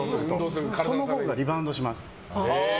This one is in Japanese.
そのほうがリバウンドします。